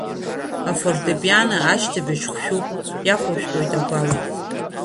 Афортепиано ашьҭыбжь хәшәуп, иахәышәтәуеит агәала.